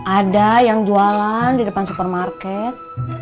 ada yang jualan di depan supermarket